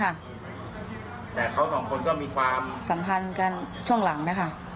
แต่เขาสองคนก็มีความสัมพันธ์กันช่วงหลังนะคะ